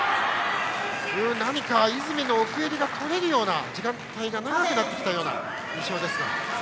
泉の奥襟が取れる時間帯が長くなってきたような印象です。